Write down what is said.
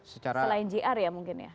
selain gr ya mungkin ya